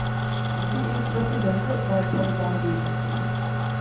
He is represented by Paradigm Agency.